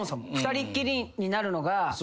２人っきりになるのが。